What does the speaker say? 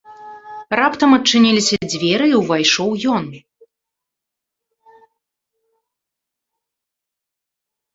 Раптам адчыніліся дзверы і ўвайшоў ён.